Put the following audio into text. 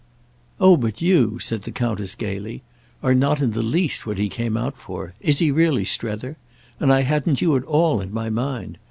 "Oh but you," said the Countess gaily, "are not in the least what he came out for—is he really, Strether? and I hadn't you at all in my mind.